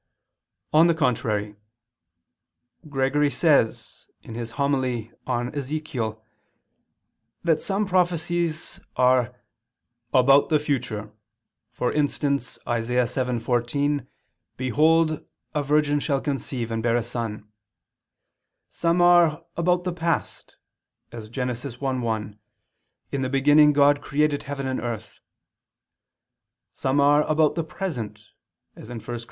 On the contrary, Gregory says (Hom. i super Ezech.) that some prophecies are "about the future, for instance (Isa. 7:14), 'Behold a virgin shall conceive, and bear a son'"; some are "about the past, as (Gen. 1:1), 'In the beginning God created heaven and earth'"; some are "about the present," as (1 Cor.